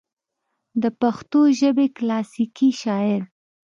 دَپښتو ژبې کلاسيکي شاعر